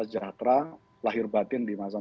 sejahtera lahir batin di mana saja